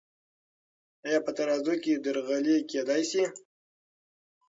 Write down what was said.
آیا په ترازو کې درغلي کیدی سی؟